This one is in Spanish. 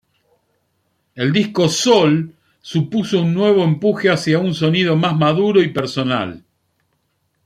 El disco 'Sol' supuso un nuevo empuje hacia un sonido más maduro y personal.